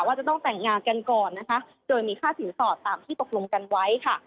ว่าจะต้องแต่งงานกันก่อนนะคะโดยมีค่าสินสอดตามที่ตกลงกันไว้ค่ะ